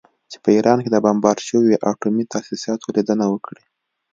چې په ایران کې د بمبارد شویو اټومي تاسیساتو لیدنه وکړي